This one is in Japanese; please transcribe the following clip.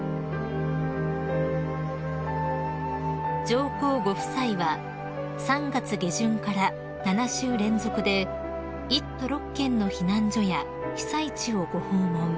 ［上皇ご夫妻は３月下旬から７週連続で１都６県の避難所や被災地をご訪問］